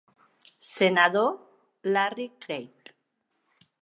Senador, Larry Craig.